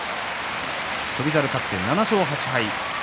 翔猿勝って、７勝８敗。